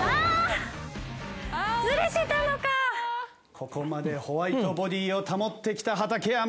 ここまでホワイトボディを保ってきた畠山。